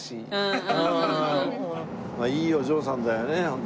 いいお嬢さんだよねホントに。